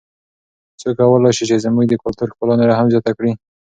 څوک کولای سي چې زموږ د کلتور ښکلا نوره هم زیاته کړي؟